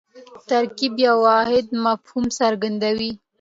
ترکیب یو واحد مفهوم څرګندوي.